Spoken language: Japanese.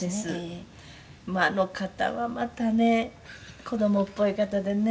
「まああの方はまたね子どもっぽい方でね」